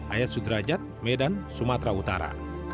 ayat sudrajat medan sumatera utara